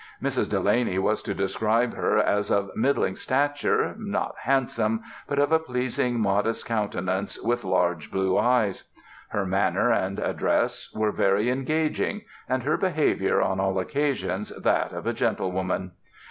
Mrs. Delany was to describe her as "of middling stature, not handsome but of a pleasing modest countenance, with large blue eyes.... Her manner and address were very engaging, and her behavior on all occasions that of a gentlewoman."